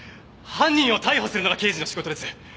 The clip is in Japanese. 犯人を逮捕するのが刑事の仕事です。